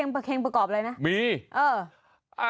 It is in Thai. เพลงประกอบอะไรนะมีเอ่อ